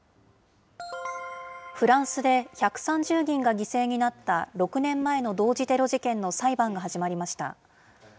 フランスで、１３０人が犠牲になった６年前の同時テロ事件の裁判が始まりました。